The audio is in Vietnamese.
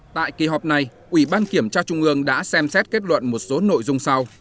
tại kỳ họp này ủy ban kiểm tra trung ương đã xem xét kết luận một số nội dung sau